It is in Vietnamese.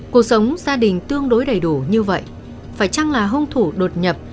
cuộc sống gia đình tương đối đầy đủ như vậy phải chăng là hung thủ đột nhập